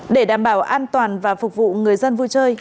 để đảm bảo an toàn và phục vụ người dân vui chơi